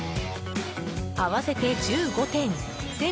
合わせて１５点。